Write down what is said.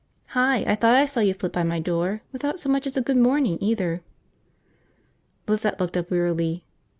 "Hi. I thought I saw you flit by my door. Without so much as a good morning, either." Lizette looked up wearily.